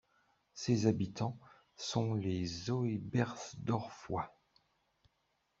Ses habitants sont les Zœbersdorfois.